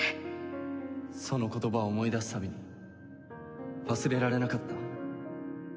その言葉を思い出す度に忘れられなかった。